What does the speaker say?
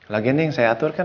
lagian nih yang saya atur kan